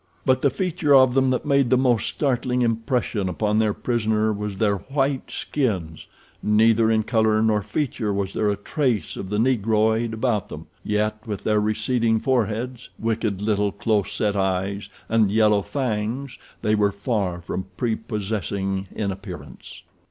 But the feature of them that made the most startling impression upon their prisoner was their white skins—neither in color nor feature was there a trace of the negroid about them. Yet, with their receding foreheads, wicked little close set eyes, and yellow fangs, they were far from prepossessing in appearance.